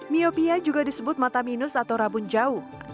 miopia juga disebut mata minus atau rabun jauh